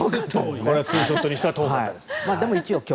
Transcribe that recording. これツーショットにしては遠かったです。